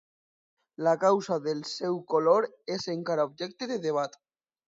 La causa del seu color és encara objecte de debat.